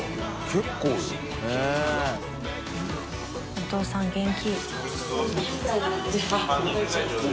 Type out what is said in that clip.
お父さん元気。